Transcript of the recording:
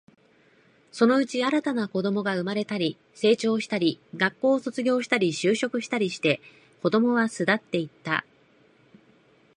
そのうち、新たな子供が生まれたり、成長したり、学校を卒業したり、就職したりして、子供は巣立っていった